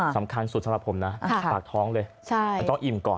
สำคัญสุดสำหรับผมนะปากท้องเลยมันต้องอิ่มก่อน